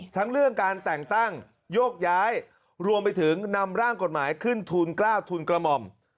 ทั้งเรื่องการแต่งตั้งโยกย้ายรวมไปถึงนำร่างกฎหมายขึ้นทุนกล้าวทุนกระหม่อม